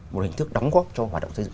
một hình thức đóng góp cho hoạt động xây dựng